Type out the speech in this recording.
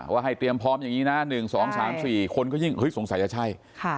ให้เตรียมพร้อมอย่างนี้นะ๑๒๓๔คนก็ยิ่งสงสัยจะใช่